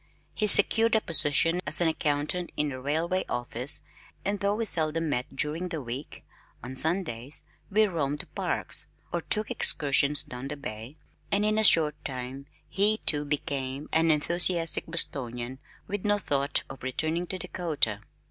He secured a position as an accountant in a railway office and though we seldom met during the week, on Sundays we roamed the parks, or took excursions down the bay, and in a short time he too became an enthusiastic Bostonian with no thought of returning to Dakota.